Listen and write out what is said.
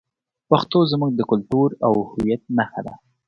پښتو زموږ د کلتور او هویت نښه ده.